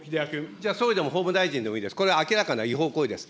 じゃあ総理でも法務大臣でもいいです、これは明らかな違法行為です。